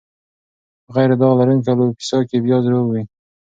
په غیر داغ لرونکې الوپیسیا کې پیاز روغ وي.